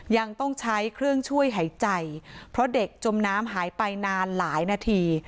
ยังต้องใช้เครื่องช่วยหายใจเพราะเด็กจมน้ำหายไปนานหลายนาที